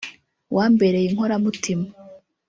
wambereye inkoramutima